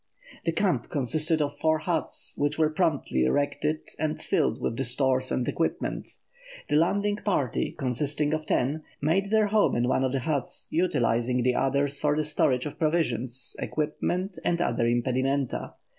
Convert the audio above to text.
The camp consisted of four huts, which were promptly erected and filled with the stores and equipment. The landing party, consisting of ten, made their home in one of the huts, utilising the others for the storage of provisions, equipment, and other impedimenta.